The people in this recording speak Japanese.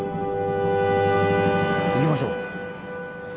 行きましょう。